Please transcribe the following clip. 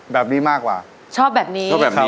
แบบนี้มากกว่าชอบแบบนี้